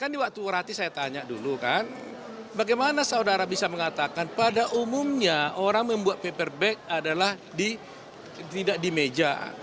di waktu berarti saya tanya dulu kan bagaimana saudara bisa mengatakan pada umumnya orang membuat paper bag adalah tidak di meja